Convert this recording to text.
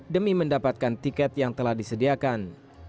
demi mendapatkan tiket yang telah disediakan